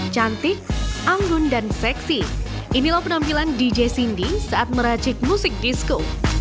cantik anggun dan seksi inilah penampilan dj cindy saat meracik musik disco